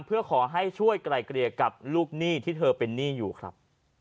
เพื่อขอให้ช่วยไกลเกลี่ยกับลูกหนี้ที่เธอเป็นหนี้อยู่ครับ